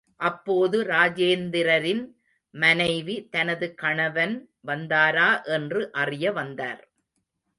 அப்போது ராஜேந்திரரின் மனைவி தனது கணவன் வந்தாரா என்று அறிய வந்தார்.